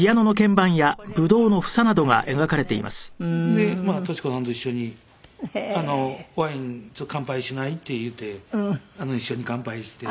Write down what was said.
でまあ敏子さんと一緒に「ワイン乾杯しない？」って言うて一緒に乾杯して。